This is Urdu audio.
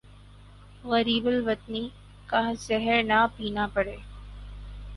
غریب الوطنی کا زہر نہ پینا پڑے